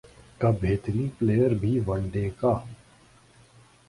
کا بہترین پلئیر بھی ون ڈے کا